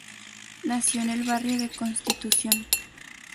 Nació en el barrio de Constitución.